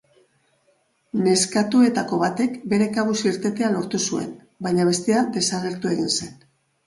Neskatoetako batek bere kabuz irtetea lortu zuen, baina bestea desagertu egin zen.